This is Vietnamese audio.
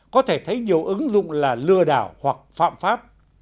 có thể thấy nhiều ứng dụng là lừa đảo hoặc phạm pháp